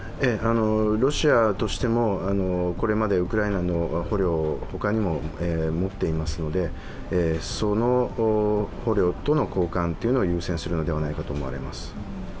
ロシアとしても、これまでウクライナの捕虜を他にも持っていますのでその捕虜との交換を優先するのではないかと思われます。